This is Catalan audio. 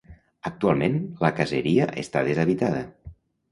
Actualment la caseria està deshabitada.